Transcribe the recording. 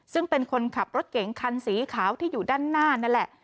ซึ่งเป็นคนขับรถเก๋งคันสีขาวที่อยู่ด้านหน้านั่นแหละ